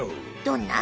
どんな？